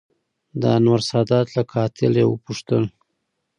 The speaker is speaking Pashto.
دانور سادات له قاتل یې وپوښتل